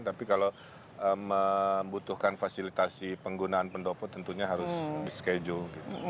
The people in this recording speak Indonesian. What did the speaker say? tapi kalau membutuhkan fasilitasi penggunaan pendopo tentunya harus dischedule